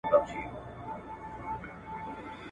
ته به اورې شرنګا شرنګ له هره لوري ..